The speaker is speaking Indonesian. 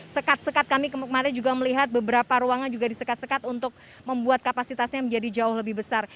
sekat sekat kami kemarin juga melihat beberapa ruangan juga disekat sekat untuk membuat kapasitasnya menjadi jauh lebih besar